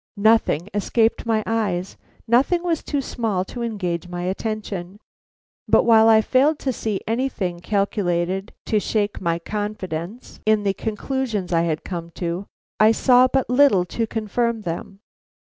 Nothing escaped my eyes; nothing was too small to engage my attention. But while I failed to see anything calculated to shake my confidence in the conclusions I had come to, I saw but little to confirm them.